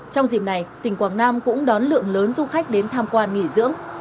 trong dịp này tỉnh quảng nam cũng đón lượng lớn du khách đến tham quan nghỉ dưỡng